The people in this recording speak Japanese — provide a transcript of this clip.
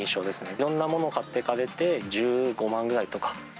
いろんなものを買ってかれて１５万円ぐらいとか。